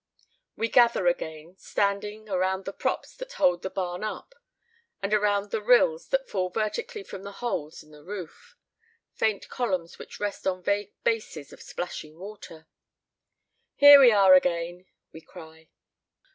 We gather again, standing, around the props that hold the barn up, and around the rills that fall vertically from the holes in the roof faint columns which rest on vague bases of splashing water. "Here we are again!" we cry.